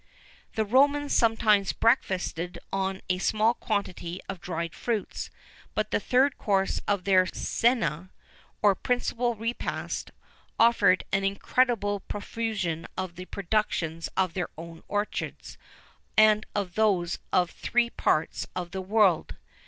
The Romans sometimes breakfasted on a small quantity of dried fruits;[XI 14] but the third course of their cœna, or principal repast, offered an incredible profusion of the productions of their own orchards, and of those of three parts of the world.